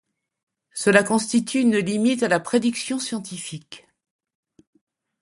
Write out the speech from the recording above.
Cela constitue une limite à la prédiction scientifique.